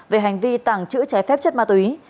về hành vi tàng trữ trái phép chất ma túy